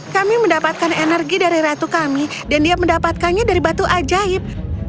kami mendapatkan energi dari ratu kami dan dia mendapatkannya dari batu ajaib